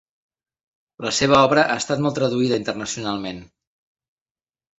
La seva obra ha estat molt traduïda internacionalment.